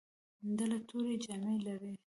ډله تورې جامې لرلې.